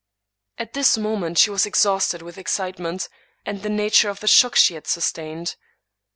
At this moment she was exhausted with excitement, and the nature of the shock she had sustained.